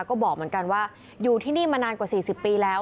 ก็บอกเหมือนกันว่าอยู่ที่นี่มานานกว่า๔๐ปีแล้ว